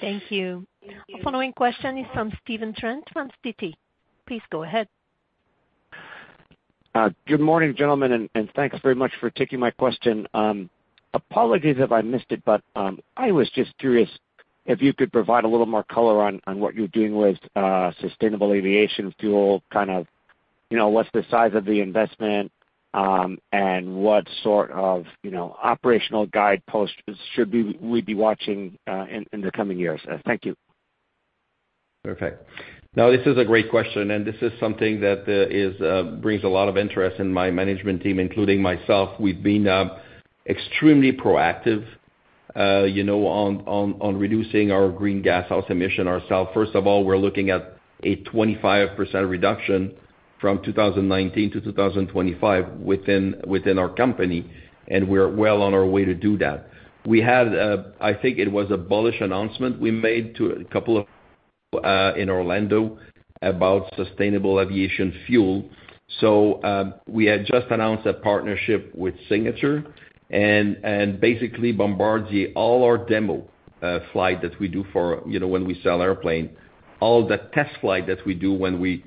S1: Thank you. The following question is from Stephen Trent from Citi. Please go ahead.
S12: Good morning, gentlemen, and thanks very much for taking my question. Apologies if I missed it, but I was just curious if you could provide a little more color on what you're doing with sustainable aviation fuel, kind of, you know, what's the size of the investment, and what sort of, you know, operational guideposts should we be watching in the coming years. Thank you.
S3: Perfect. No, this is a great question, and this is something that is brings a lot of interest in my management team, including myself. We've been extremely proactive, you know, on reducing our greenhouse emissions ourselves. First of all, we're looking at a 25% reduction from 2019 to 2025 within our company, and we're well on our way to do that. We had, I think it was a big announcement we made at the NBAA in Orlando about sustainable aviation fuel. We had just announced a partnership with Signature and basically Bombardier all our demo flight that we do for, you know, when we sell airplane, all the test flight that we do when we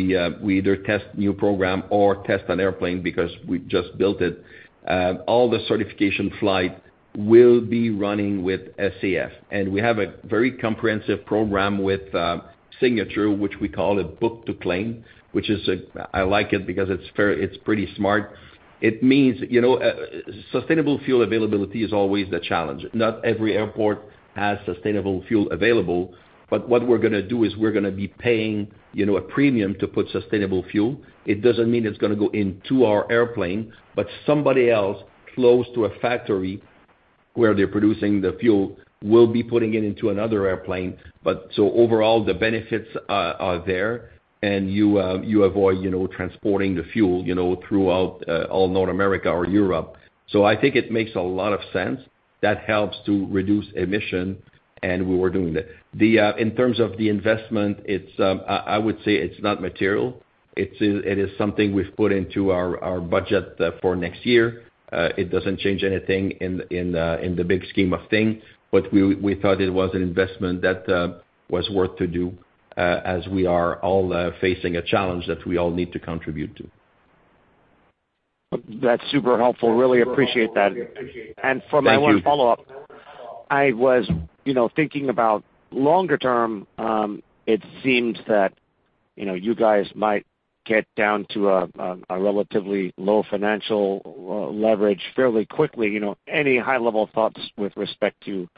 S3: either test new program or test an airplane because we just built it, all the certification flight will be running with SAF. We have a very comprehensive program with Signature, which we call it Book and Claim, which is a. I like it because it's fair. It's pretty smart. It means, you know, sustainable fuel availability is always the challenge. Not every airport has sustainable fuel available, but what we're gonna do is we're gonna be paying, you know, a premium to put sustainable fuel. It doesn't mean it's gonna go into our airplane, but somebody else close to a factory where they're producing the fuel will be putting it into another airplane. Overall, the benefits are there, and you avoid, you know, transporting the fuel, you know, throughout all North America or Europe. I think it makes a lot of sense that helps to reduce emissions, and we were doing that. Then in terms of the investment, I would say it's not material. It is something we've put into our budget for next year. It doesn't change anything in the big scheme of things, but we thought it was an investment that was worth to do as we are all facing a challenge that we all need to contribute to.
S12: That's super helpful. Really appreciate that.
S3: Thank you.
S12: For my one follow-up, I was, you know, thinking about longer term, it seems that, you know, you guys might get down to a relatively low financial leverage fairly quickly. You know, any high-level thoughts with respect to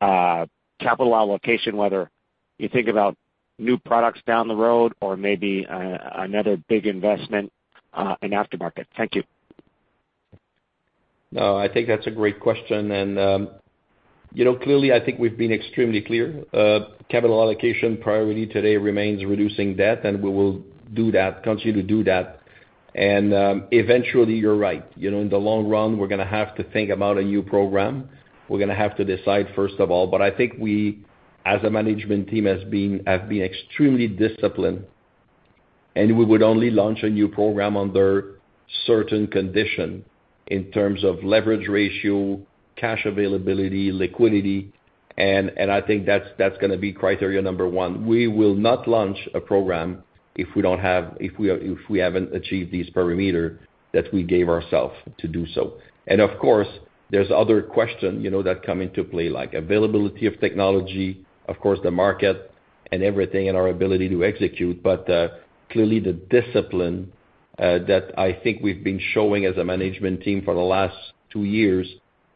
S12: capital allocation, whether you think about new products down the road or maybe another big investment in aftermarket? Thank you.
S3: No, I think that's a great question. You know, clearly, I think we've been extremely clear. Capital allocation priority today remains reducing debt, and we will do that, continue to do that. Eventually, you're right. You know, in the long run, we're gonna have to think about a new program. We're gonna have to decide, first of all. But I think we as a management team have been extremely disciplined, and we would only launch a new program under certain condition in terms of leverage ratio, cash availability, liquidity, and I think that's gonna be criteria number one. We will not launch a program if we haven't achieved these parameter that we gave ourself to do so. Of course, there's other question, you know, that come into play, like availability of technology, of course, the market and everything, and our ability to execute. Clearly the discipline that I think we've been showing as a management team for the last two years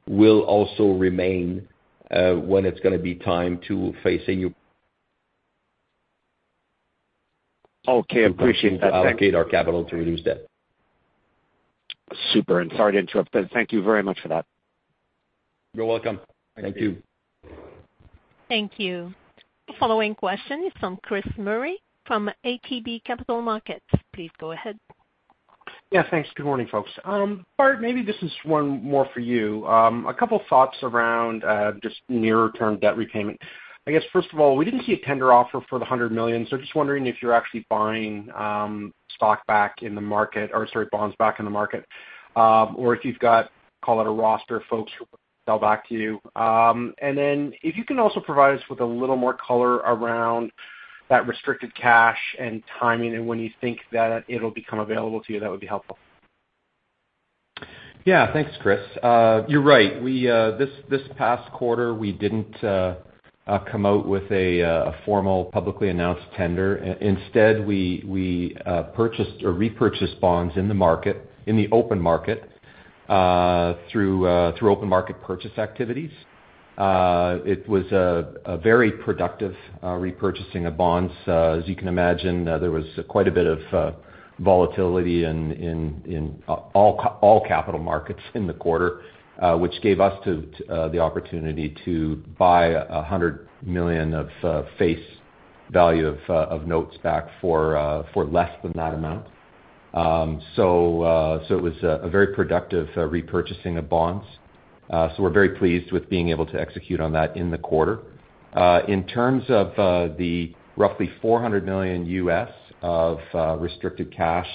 S3: will also remain, when it's gonna be time to face a new
S12: Okay. Appreciate that.
S3: allocate our capital to reduce debt.
S12: Super, sorry to interrupt. Thank you very much for that.
S3: You're welcome. Thank you.
S1: Thank you. The following question is from Chris Murray from ATB Capital Markets. Please go ahead.
S13: Yeah, thanks. Good morning, folks. Bart, maybe this is one more for you. A couple thoughts around just near-term debt repayment. I guess, first of all, we didn't see a tender offer for the $100 million, so just wondering if you're actually buying stock back in the market or, sorry, bonds back in the market, or if you've got, call it, a roster of folks who sell back to you. If you can also provide us with a little more color around that restricted cash and timing and when you think that it'll become available to you, that would be helpful.
S4: Yeah. Thanks, Chris. You're right. This past quarter, we didn't come out with a formal publicly announced tender. Instead, we purchased or repurchased bonds in the market, in the open market, through open market purchase activities. It was a very productive repurchasing of bonds. As you can imagine, there was quite a bit of volatility in all capital markets in the quarter, which gave us the opportunity to buy $100 million of face value of notes back for less than that amount. It was a very productive repurchasing of bonds. We're very pleased with being able to execute on that in the quarter. In terms of the roughly $400 million of restricted cash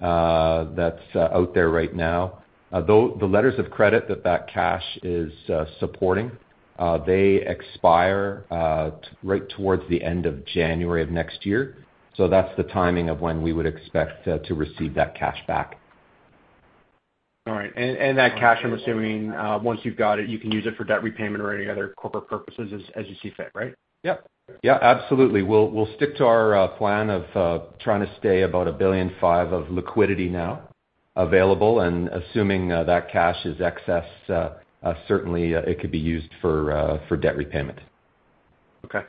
S4: that's out there right now, the letters of credit that cash is supporting expire right towards the end of January of next year. That's the timing of when we would expect to receive that cash back.
S13: All right. That cash, I'm assuming, once you've got it, you can use it for debt repayment or any other corporate purposes as you see fit, right?
S4: Yeah. Yeah, absolutely. We'll stick to our plan of trying to stay about $1.5 billion of liquidity now available, and assuming that cash is excess, certainly it could be used for debt repayment.
S13: Okay.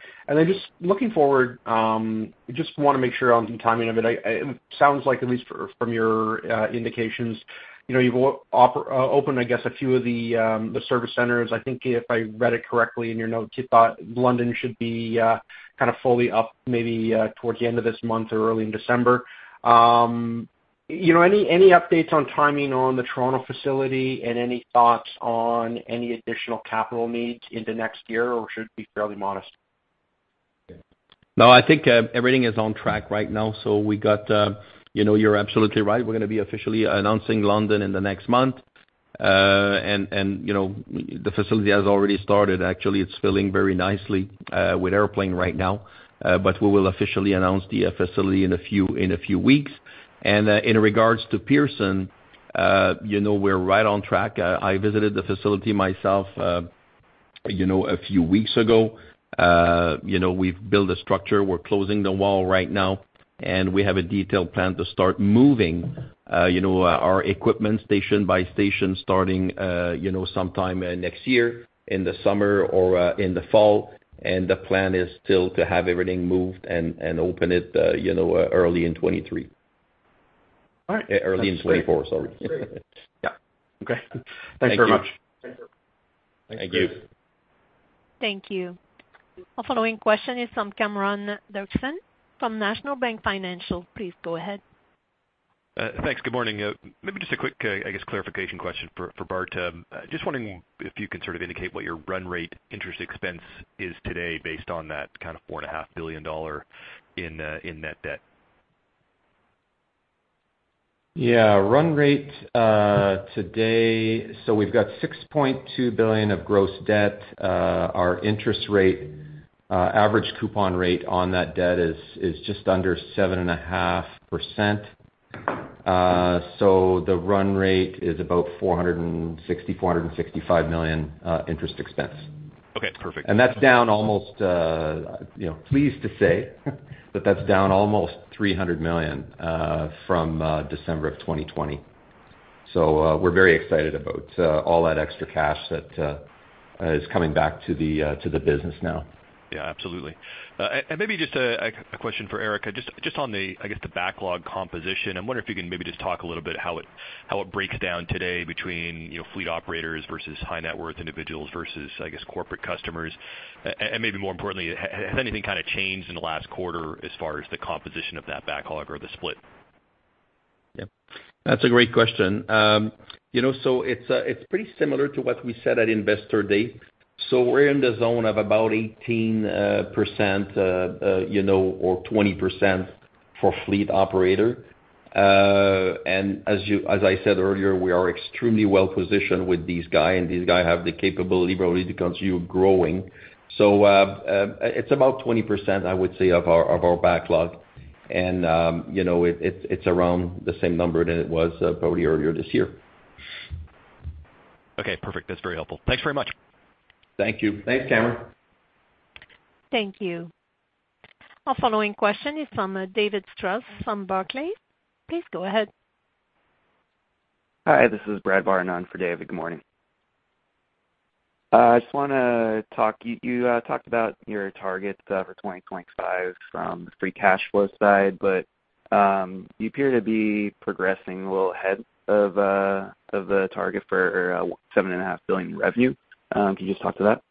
S13: Just looking forward, just wanna make sure on the timing of it. It sounds like at least from your indications, you know, you've opened, I guess, a few of the service centers. I think if I read it correctly in your notes, you thought London should be kind of fully up maybe towards the end of this month or early in December. You know, any updates on timing on the Toronto facility and any thoughts on any additional capital needs into next year, or should it be fairly modest?
S3: No, I think, everything is on track right now. We got, you know, you're absolutely right. We're gonna be officially announcing London in the next month. You know, the facility has already started. Actually, it's filling very nicely, with airplane right now. We will officially announce the facility in a few weeks. In regards to Pearson, you know, we're right on track. I visited the facility myself, you know, a few weeks ago. You know, we've built a structure. We're closing the wall right now, and we have a detailed plan to start moving, you know, our equipment station by station starting, you know, sometime, next year in the summer or in the fall. The plan is still to have everything moved and open it, you know, early in 2023.
S13: All right.
S3: Early in 2024. Sorry.
S13: That's great. Yeah. Okay. Thanks very much.
S4: Thank you.
S1: Thank you. Our following question is from Cameron Doerksen from National Bank Financial. Please go ahead.
S14: Thanks. Good morning. Maybe just a quick, I guess, clarification question for Bart. Just wondering if you can sort of indicate what your run rate interest expense is today based on that kind of $4.5 billion in net debt.
S4: Yeah. Run rate today, so we've got $6.2 billion of gross debt. Our interest rate average coupon rate on that debt is just under 7.5%. The run rate is about $465 million interest expense.
S14: Okay. Perfect.
S4: you know, pleased to say that that's down almost $300 million from December of 2020. We're very excited about all that extra cash that is coming back to the business now.
S14: Yeah, absolutely. Maybe just a question for Éric. Just on the, I guess, the backlog composition, I wonder if you can maybe just talk a little bit how it breaks down today between, you know, fleet operators versus high net worth individuals versus, I guess, corporate customers. Maybe more importantly, has anything kinda changed in the last quarter as far as the composition of that backlog or the split?
S3: Yeah. That's a great question. You know, it's pretty similar to what we said at Investor Day. We're in the zone of about 18% or 20% for fleet operator. As I said earlier, we are extremely well-positioned with these guys, and these guys have the capability probably to continue growing. It's about 20%, I would say, of our backlog. You know, it's around the same number that it was probably earlier this year.
S14: Okay, perfect. That's very helpful. Thanks very much.
S3: Thank you.
S2: Thanks, Cameron.
S1: Thank you. Our following question is from David Strauss from Barclays. Please go ahead.
S15: Hi, this is Brad Barton for David. Good morning. I just wanna talk, you talked about your targets for 2025 from the free cash flow side, but you appear to be progressing a little ahead of the target for $7.5 billion revenue. Can you just talk to that?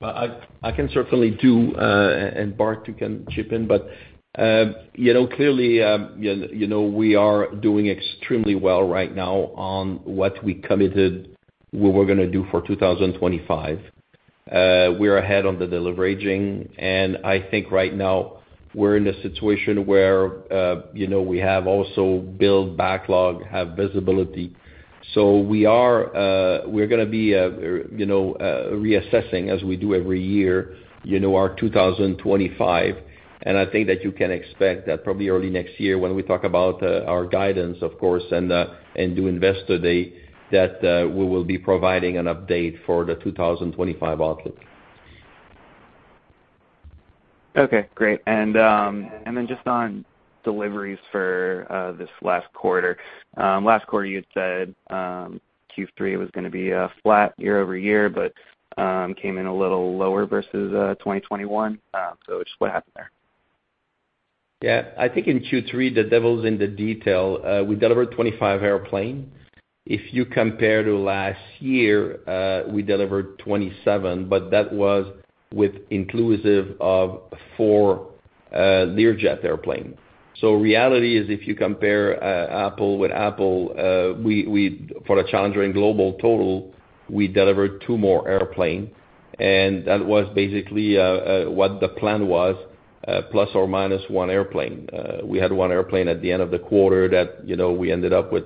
S3: Well, I can certainly do, and Bart can chip in, but you know, clearly, you know, we are doing extremely well right now on what we committed we were gonna do for 2025. We're ahead on the deleveraging, and I think right now we're in a situation where you know, we have also built backlog, have visibility. We're gonna be reassessing as we do every year, you know, our 2025. I think that you can expect that probably early next year when we talk about our guidance, of course, and do investor day, that we will be providing an update for the 2025 outlook.
S16: Okay, great. Then just on deliveries for this last quarter. Last quarter, you had said Q3 was gonna be flat year-over-year, but came in a little lower versus 2021. Just what happened there?
S3: Yeah. I think in Q3, the devil's in the detail. We delivered 25 airplanes. If you compare to last year, we delivered 27, but that was including four Learjet airplanes. The reality is, if you compare apples to apples, we for the Challenger and Global total delivered two more airplanes, and that was basically what the plan was ± one airplane. We had one airplane at the end of the quarter that, you know, we ended up with,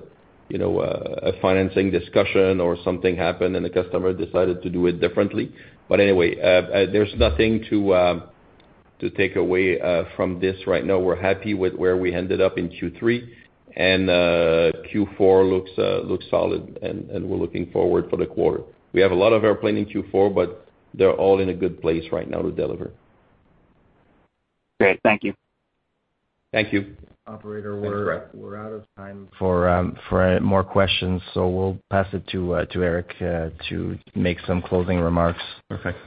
S3: you know, a financing discussion or something happened and the customer decided to do it differently. Anyway, there's nothing to take away from this right now. We're happy with where we ended up in Q3, and Q4 looks solid and we're looking forward to the quarter. We have a lot of airplane in Q4, but they're all in a good place right now to deliver.
S16: Great. Thank you.
S3: Thank you.
S2: Operator-
S3: Thanks, Brad.
S2: We're out of time for more questions, so we'll pass it to Éric to make some closing remarks.
S3: Perfect.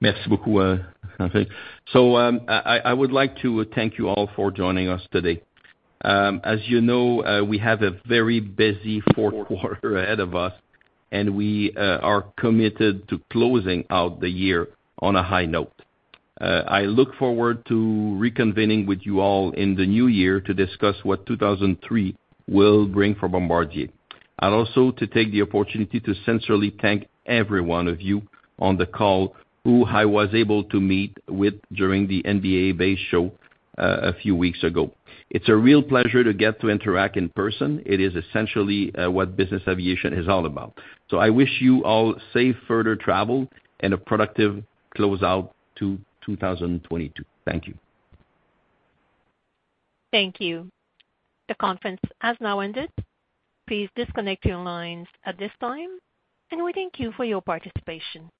S3: Merci beaucoup, Henri. I would like to thank you all for joining us today. As you know, we have a very busy fourth quarter ahead of us, and we are committed to closing out the year on a high note. I look forward to reconvening with you all in the new year to discuss what 2023 will bring for Bombardier. Also to take the opportunity to sincerely thank every one of you on the call who I was able to meet with during the NBAA-BACE show a few weeks ago. It's a real pleasure to get to interact in person. It is essentially what business aviation is all about. I wish you all safe further travel and a productive close out to 2022. Thank you.
S1: Thank you. The conference has now ended. Please disconnect your lines at this time, and we thank you for your participation.